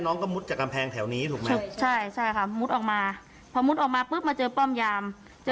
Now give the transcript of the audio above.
น้องก็มุดจากกำแพงแถวนี้ถูกไหมใช่ใช่ค่ะมุดออกมาพอมุดออกมาปุ๊บมาเจอป้อมยาม